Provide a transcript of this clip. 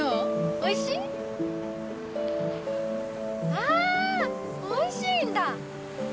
おいしいんだ！